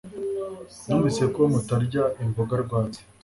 Numvise ko mutarya imboga rwatsi